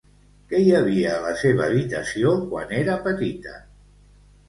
Què hi havia a la seva habitació quan era petita?